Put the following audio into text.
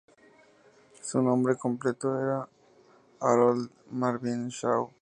Su nombre completo era Harold Marvin Shaw, y nació en Brownsville, Tennessee.